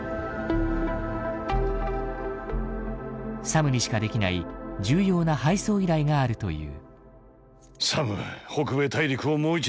サムにしかできない重要な配送依頼があるという。